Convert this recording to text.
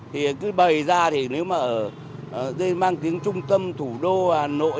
thì cứ bày ra thì nếu mà ở đây mang tiếng trung tâm thủ đô hà nội